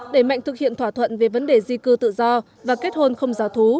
để mạnh thực hiện thỏa thuận về vấn đề di cư tự do và kết hôn không giáo thú